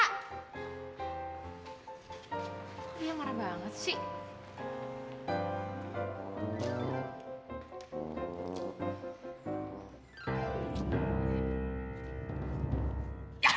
kok lo marah banget sih